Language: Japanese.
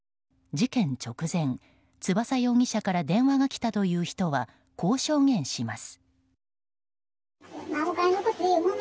事件直前、翼容疑者から電話が来たという人はこう証言します。